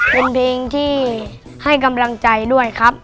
เป็นเพลงที่ให้กำลังใจด้วยครับ